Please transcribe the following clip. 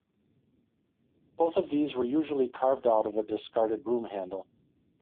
Both of these were usually carved out of a discarded broom handle.